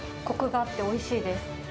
こくがあっておいしいです。